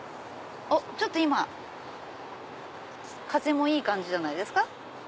今風もいい感じじゃないですか。